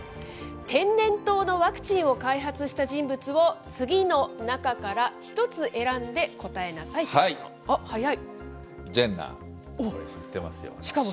天然痘のワクチンを開発した人物を、次の中から１つ選んで答えなはい。